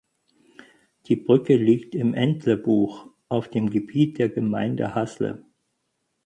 Die Brücke liegt im Entlebuch auf dem Gebiet der Gemeinde Hasle.